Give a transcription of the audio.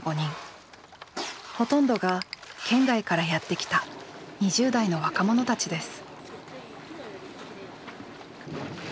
ほとんどが県外からやって来た２０代の若者たちです。